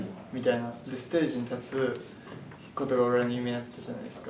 ステージに立つことが俺らの任命だったじゃないですか。